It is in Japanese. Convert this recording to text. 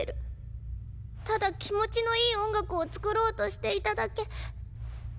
ただ気持ちのいい音楽を作ろうとしていただけ。